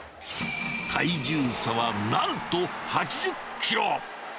体重差はなんと８０キロ。